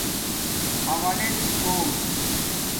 حَملژ کُوٹ